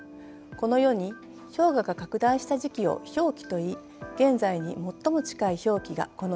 このように氷河が拡大した時期を氷期といい現在に最も近い氷期がこの２万年前になります。